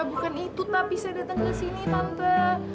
bukan itu tapi saya datang ke sini tante